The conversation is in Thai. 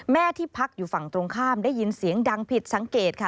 ที่พักอยู่ฝั่งตรงข้ามได้ยินเสียงดังผิดสังเกตค่ะ